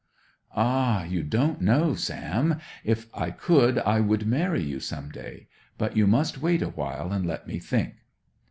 'Ah, you don't know! Sam, if I could, I would marry you, some day. But you must wait a while, and let me think.